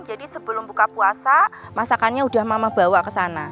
jadi sebelum buka puasa masakannya udah mama bawa ke sana